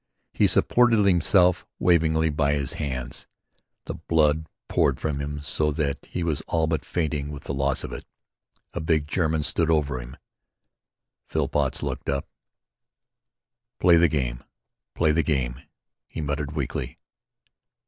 He supported himself waveringly by his hands. The blood poured from him so that he was all but fainting with the loss of it. A big German stood over him. Phillpots looked up: "Play the game! Play the game!" he muttered weakly.